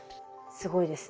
すごいですね。